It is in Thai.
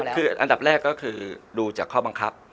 คืออันดับแรกก็คือดูจากข้อบังคับ